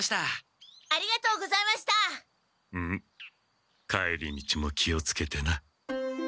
ウム帰り道も気をつけてな。